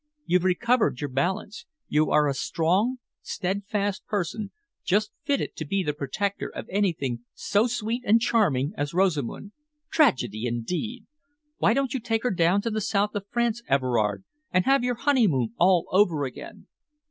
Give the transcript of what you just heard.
You've recovered your balance. You are a strong, steadfast person, just fitted to be the protector of anything so sweet and charming as Rosamund. Tragedy, indeed! Why don't you take her down to the South of France, Everard, and have your honeymoon all over again?"